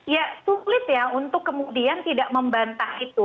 ya sulit ya untuk kemudian tidak membantah itu